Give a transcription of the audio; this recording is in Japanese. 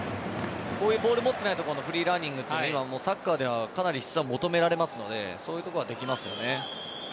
こういうボールを持っていないところのフリーランニングはサッカーではかなり質が求められますのでそういうところ、できますよね。